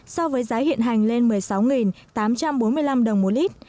so với giá hiện hành lên một mươi sáu h bốn mươi năm